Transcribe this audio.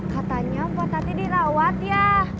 katanya pak tadi dirawat ya